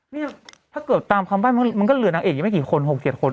นี่ถ้าเกิดตามคำใบ้มันก็เหลือนางเอกอีกไม่กี่คน๖๗คน